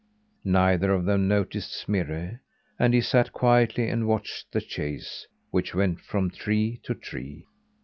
Neither of them noticed Smirre; and he sat quietly and watched the chase, which went from tree to tree.